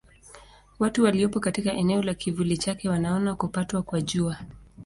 Watu waliopo katika eneo la kivuli chake wanaona kupatwa kwa Jua.